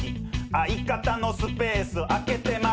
相方のスペース空けてまう。